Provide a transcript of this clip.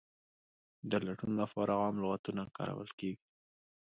د لټون لپاره عام لغتونه کارول کیږي.